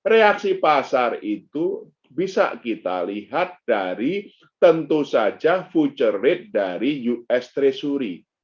reaksi pasar itu bisa kita lihat dari tentu saja future rate dari us treasury